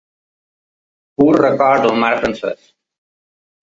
Pur record del mar francès.